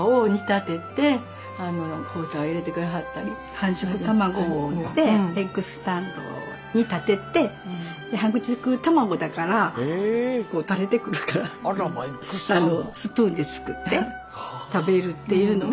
半熟卵でエッグスタンドに立ててで半熟卵だからこう垂れてくるからスプーンですくって食べるっていうのが。